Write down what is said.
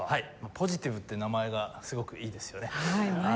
ポジティブって名前がすごくいいですよね。